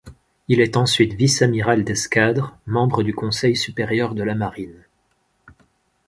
Il est ensuite vice-amiral d'escadre, membre du Conseil supérieur de la marine.